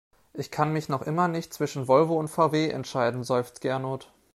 Ich kann mich noch immer nicht zwischen Volvo und VW entscheiden, seufzt Gernot.